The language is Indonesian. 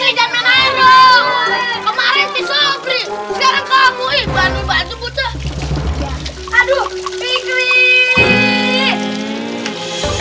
sekarang kamu iban iban tuh bucah